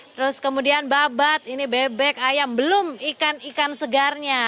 terus kemudian babat ini bebek ayam belum ikan ikan segarnya